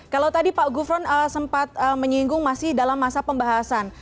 kalau tadi pak gufron sempat menyinggung masih dalam masa pembahasan